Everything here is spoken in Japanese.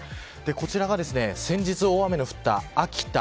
こちらが先日大雨の降った秋田。